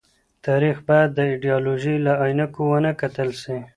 تاريخ بايد د ايډيالوژۍ له عينکو ونه کتل سي.